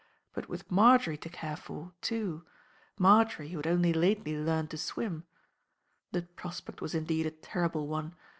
But with Marjory to care for, too Marjory who had only lately learned to swim.... The prospect was indeed a terrible one.